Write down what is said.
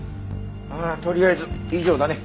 ああとりあえず以上だね。